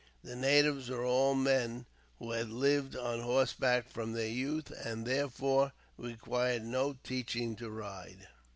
The natives were all men who had lived on horseback from their youth, and therefore required no teaching to ride.